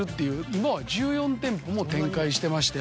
今は１４店舗も展開してまして。